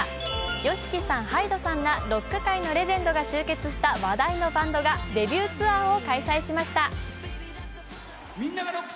ＹＯＳＨＩＫＩさん、ＨＹＤＥさんらロック界のレジェンドが集結した話題のバンドがデビューツアーを開催しました。